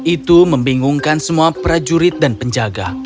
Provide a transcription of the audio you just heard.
itu membingungkan semua prajurit dan penjaga